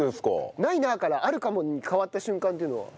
「ないな」から「あるかも」に変わった瞬間っていうのは？